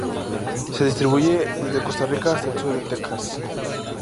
Se distribuye desde Costa Rica hasta el sur de Texas.